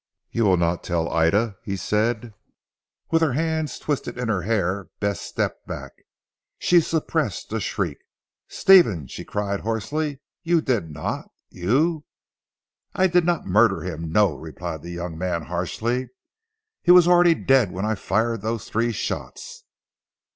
"You will not tell Ida," he said. With her hands twisted in her hair Bess stepped back. She suppressed a shriek. "Stephen!" she cried hoarsely "You did not you " "I did not murder him. No," replied the young man harshly. "He was already dead when I fired those three shots."